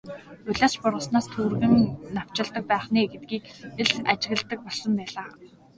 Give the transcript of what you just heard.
Улиас ч бургаснаас түргэн навчилдаг байх нь ээ гэдгийг л ажигладаг болсон байлаа.